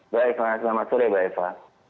baik selamat sore mbak eva